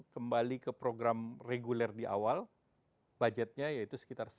kembali ke program reguler di awal budgetnya yaitu sekitar sepuluh sebelas triliun